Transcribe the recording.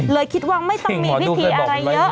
คิดว่าไม่ต้องมีพิธีอะไรเยอะ